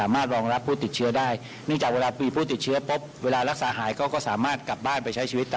พร้อมที่จะให้การรักษาค่ะ